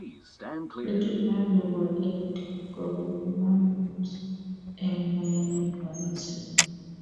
Betut neo nebo Eid kobo komonut eng kayaniikab Islam.